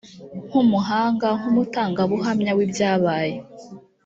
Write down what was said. nk’ umuhanga nk’ umutangabuhamya wibyabaye.